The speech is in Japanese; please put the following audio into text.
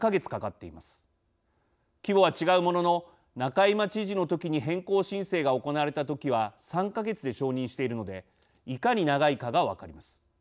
規模は違うものの仲井真知事のときに変更申請が行われたときは３か月で承認しているのでいかに長いかが分かります。